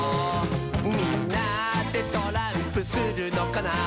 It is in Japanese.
「みんなでトランプするのかな？」